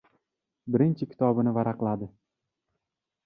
Birinchi kitobini varaqladi.